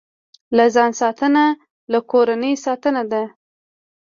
له ځان ساتنه، له کورنۍ ساتنه ده.